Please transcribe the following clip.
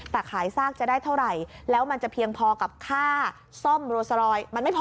แต่ขายซากจะได้เท่าไหร่แล้วมันจะเพียงพอกับค่าซ่อมโรสรอยมันไม่พอ